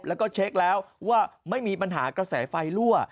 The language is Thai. แล้วก็เช็คแล้วว่าไม่มีปัญหากระแสไฟรั่ว